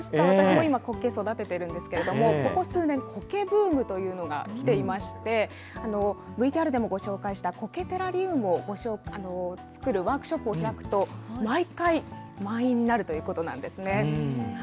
私も今、こけ育てているんですけれども、ここ数年、こけブームというのがきていまして、ＶＴＲでもご紹介したこけテラリウムを作るワークショップを開くと、毎回、満員になるということなんですね。